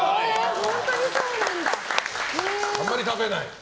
あんまり食べない？